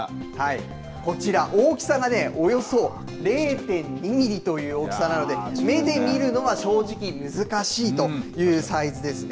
こちら大きさがね、およそ０．２ミリという大きさなので目で見るのは正直難しいというサイズですね。